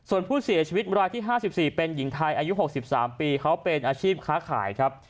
ส่วนผู้เสียชีวิตรายที่๕๔เป็นหญิงไทยอายุ๖๓ปีเขาเป็นอาชีพค้าขายครับ